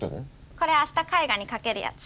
これ明日絵画にかけるやつ。